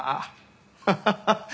ハハハッ！